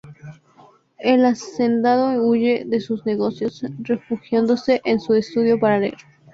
El hacendado huye de sus negocios refugiándose en su estudio para leer.